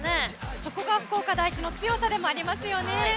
そこが福岡第一の強さでもありますよね。